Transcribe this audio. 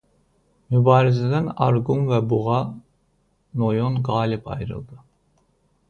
Mübarizədən Arqun və Buğa noyon qalib ayrıldı.